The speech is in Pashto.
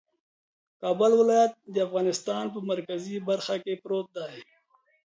کابل ولایت د افغانستان په مرکزي برخه کې پروت دی